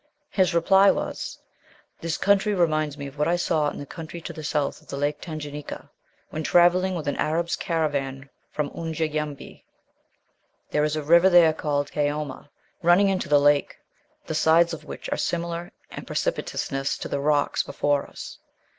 His reply was, 'This country reminds me of what I saw in the country to the south of the Lake Tanganyika, when travelling with an Arab's caravan from Unjanyembeh. There is a river there called the Kaoma, running into the lake, the sides of which are similar in precipitousness to the rocks before us.'